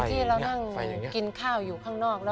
ที่เรานั่งกินข้าวอยู่ข้างนอก